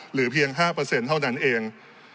เหลือเพียง๕เท่านั้นเอง